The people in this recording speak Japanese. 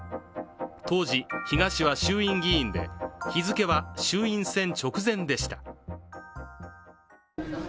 当時、比嘉氏は衆院議員で日付は衆院選直前でした。